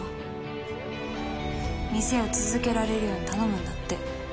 店を続けられるように頼むんだって。